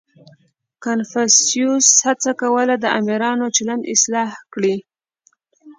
• کنفوسیوس هڅه کوله، د آمرانو چلند اصلاح کړي.